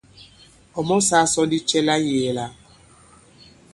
Ɔ̀ mɔsāā sɔ ndi cɛ la ŋ̀yēē la?